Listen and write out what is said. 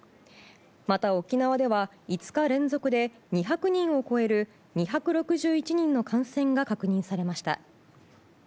また、沖縄では５日連続で２００人を超える２６１人の感染が確認されました。